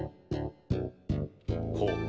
こう。